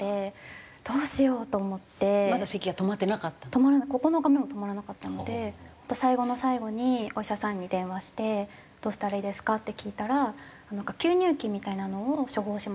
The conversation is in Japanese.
止まらない９日目も止まらなかったので最後の最後にお医者さんに電話してどうしたらいいですか？って聞いたら吸入器みたいなのを処方しますって言われて。